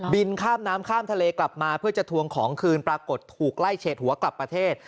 ข้ามน้ำข้ามทะเลกลับมาเพื่อจะทวงของคืนปรากฏถูกไล่เฉดหัวกลับประเทศ